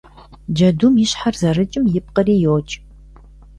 Джэдум и щхьэр зэрыкӀым ипкъри йокӀ.